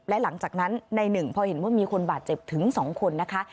และหลังจากนั้นในหนึ่งพอเห็นว่ามีคนบาดเจ็บถึง๒คนนะคะ